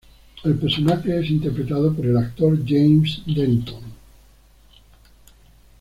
El personaje es interpretado por el actor James Denton.